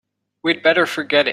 We'd better forget it.